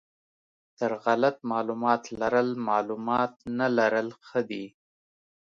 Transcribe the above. تر غلط معلومات لرل معلومات نه لرل ښه دي.